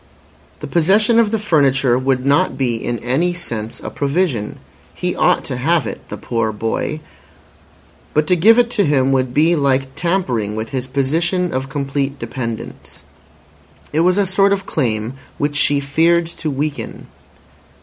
The possession of the furniture would not be in any sense a provision. He ought to have it—the poor boy. But to give it to him would be like tampering with his position of complete dependence. It was a sort of claim which she feared to weaken.